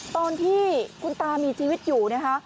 ตอนที่คุณตามีชีวิตอยู่นะคะ